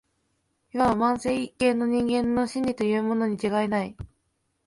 謂わば万世一系の人間の「真理」とかいうものに違いない